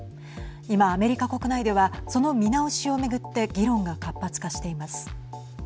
今、アメリカ国内ではその見直しを巡って議論が活発化しています。